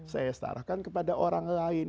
saya setarakan kepada orang lain